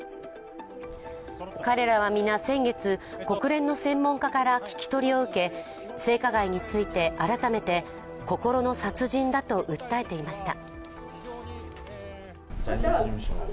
彼らは皆、先月、国連の専門家から聞き取りを受け性加害について改めて心の殺人だと訴えていました。